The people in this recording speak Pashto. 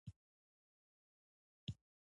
مخکې له ایښودلو باید لاندې کانکریټ واچول شي